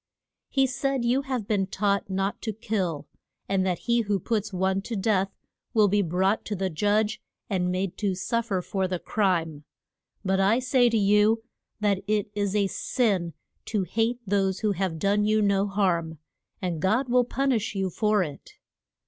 He said, you have been taught not to kill; and that he who puts one to death will be brought to the judge, and made to suf fer for the crime. But I say to you that it is a sin to hate those who have done you no harm, and God will pun ish you for it.